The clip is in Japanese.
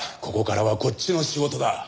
ここからはこっちの仕事だ。